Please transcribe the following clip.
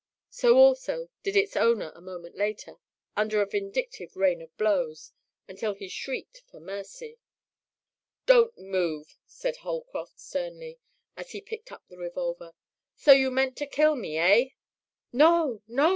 So also did its owner a moment later, under a vindictive rain of blows, until he shrieked for mercy. "Don't move!" said Holcroft sternly, and he picked up the revolver. "So you meant to kill me, eh?" "No, no!